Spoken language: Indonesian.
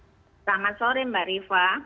selamat sore mbak riva